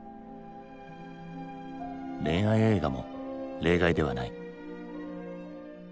恋愛映画も例外ではない。